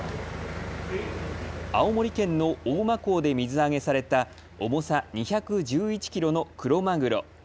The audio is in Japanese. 青森県の大間港で水揚げされた重さ２１１キロのクロマグロ。